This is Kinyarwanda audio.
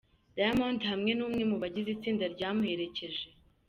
Diamond hamwe n'umwe mu bagize itsinda ryamuherekeje.